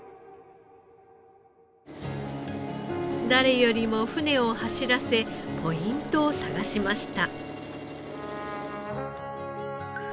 誰よりも船を走らせポイントを探しました。